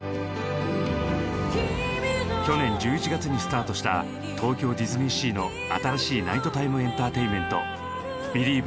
去年１１月にスタートした東京ディズニーシーの新しいナイトタイムエンターテインメント「ビリーヴ！